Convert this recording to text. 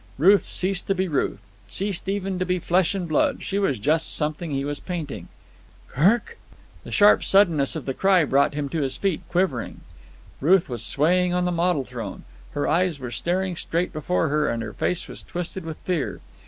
Ruth ceased to be Ruth, ceased even to be flesh and blood. She was just something he was painting. "Kirk!" The sharp suddenness of the cry brought him to his feet, quivering. Ruth was swaying on the model throne. Her eyes were staring straight before her and her face was twisted with fear.